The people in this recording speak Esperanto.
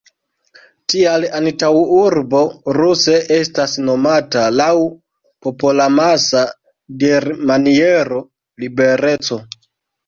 Tial antaŭurbo ruse estas nomata laŭ popolamasa dirmaniero "libereco".